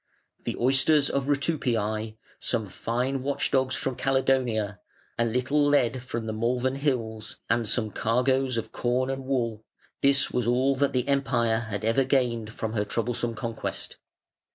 The oysters of Rutupiæ, some fine watch dogs from Caledonia, a little lead from the Malvern Hills, and some cargoes of corn and wool this was all that the Empire had ever gained from her troublesome conquest.